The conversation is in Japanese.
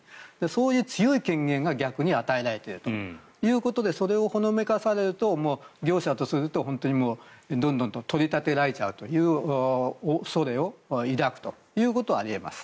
そういう強い権限が逆に与えられているということでそれをほのめかされると業者とすると本当にどんどんと取り立てられちゃうという恐れを抱くということはあり得ます。